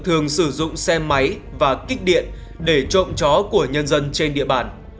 thường sử dụng xe máy và kích điện để trộm chó của nhân dân trên địa bàn